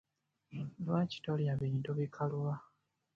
Lwaki tolya bintu bikaluba?